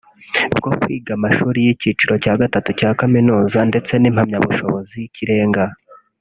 bwo kwiga amashuri y’icyiciro cya gatatu cya kaminuza ndetse n’impamyabushobozi y’ikirenga